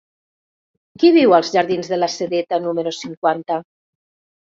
Qui viu als jardins de la Sedeta número cinquanta?